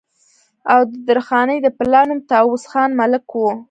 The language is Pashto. او د درخانۍ د پلار نوم طاوس خان ملک وو